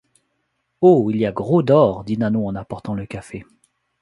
Oh! il y a gros d’or, dit Nanon en apportant le café.